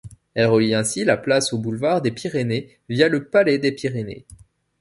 Il relie ainsi la place au boulevard des Pyrénées via le palais des Pyrénées.